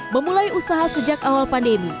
memulai usaha sejak awal pandemi